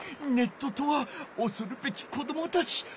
ネットとはおそるべき子どもたち。